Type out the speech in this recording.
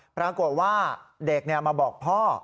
ปรากฏว่าเด็กมาบอกพ่อ